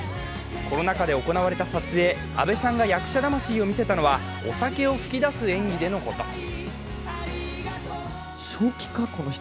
コロナ禍で行われた撮影、阿部さんが役者魂を見せたのはお酒を吹き出す演技でのこと。